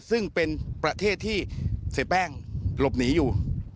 ซึ่งเป็นประเทศที่เสียแป้งหลบหนีอยู่